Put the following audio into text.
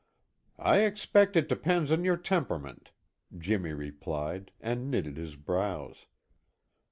"I expect it depends on your temperament," Jimmy replied and knitted his brows.